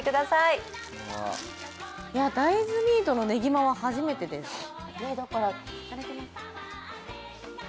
大豆ミートのねぎまは初めてです。